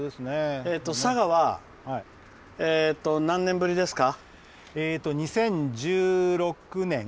佐賀は何年ぶりですか？